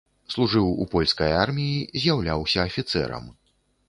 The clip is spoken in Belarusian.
Служыў у польскай арміі, з'яўляўся афіцэрам.